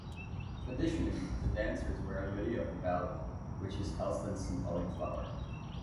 Traditionally, the dancers wear Lily of the Valley, which is Helston's symbolic flower.